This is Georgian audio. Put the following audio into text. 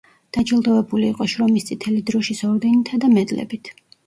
დაჯილდოვებული იყო შრომის წითელი დროშის ორდენითა და მედლებით.